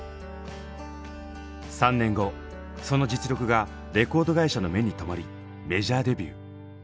３年後その実力がレコード会社の目に留まりメジャーデビュー。